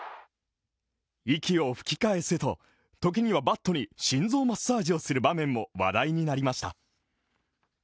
息を吹き返せと、時にはバットに心臓マッサージをする場面も話題になりました。